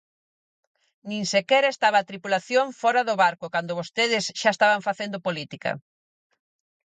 Nin sequera estaba a tripulación fóra do barco cando vostedes xa estaban facendo política.